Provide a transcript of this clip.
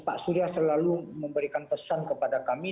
pak surya selalu memberikan pesan kepada kami